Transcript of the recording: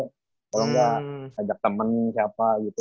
kalau enggak ajak temen siapa gitu